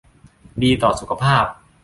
ดีต่อสุขภาพ